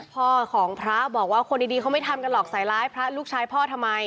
พ่อของพระบอกว่าคนดีเขาไม่ทำกันหรอกใส่ร้ายพระลูกชายพ่อทำไม